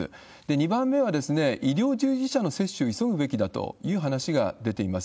２番目は、医療従事者の接種、急ぐべきだという話が出ています。